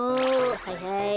はいはい。